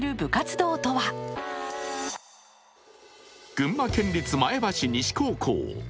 群馬県立前橋西高校。